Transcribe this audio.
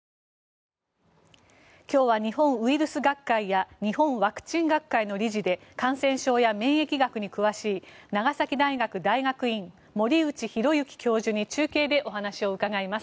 今日は日本ウイルス学会や日本ワクチン学会の理事で感染症や免疫学に詳しい長崎大学大学院、森内浩幸教授に中継でお話を伺います。